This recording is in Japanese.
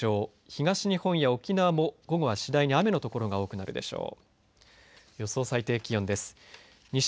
東日本や沖縄も午後は次第に雨の所が多くなるでしょう。